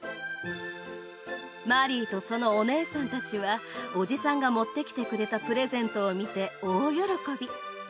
マリーとそのお姉さんたちはおじさんが持ってきてくれたプレゼントを見て大喜び。